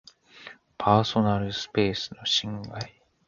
パーソナルスペースの侵害